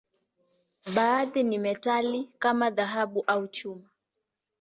Baadhi ni metali, kama dhahabu au chuma.